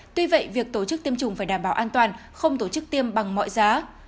tuy vậy việc tổ chức tiêm chủng phải đảm bảo an toàn không tổ chức tiêm bằng mọi giá